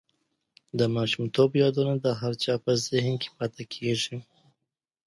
د ماشومتوب یادونه د هر چا په زهن کې پاتې کېږي.